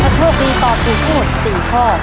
ถ้าโชคดีตอบถูกทั้งหมด๔ข้อ